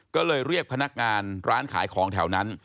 ก็เลยเรียกพนักงานร้านขายของแถวนั้น